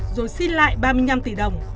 rồi xin lại ba mươi năm tỷ đồng